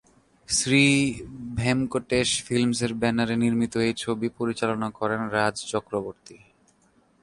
শ্রী ভেঙ্কটেশ ফিল্মস-এর ব্যানারে নির্মিত এই ছবি পরিচালনা করেন রাজ চক্রবর্তী।